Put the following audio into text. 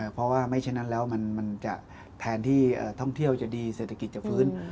เพราะว่าไม่ฉะนั้นแล้วมันจะแทนที่ท่องเที่ยวจะดีเศรษฐกิจจะฟื้น